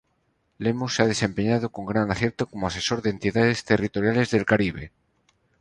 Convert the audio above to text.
Lemus se ha desempeñado con gran acierto como asesor de entidades territoriales del Caribe.